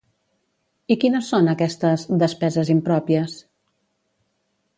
I quines són aquestes “despeses impròpies”?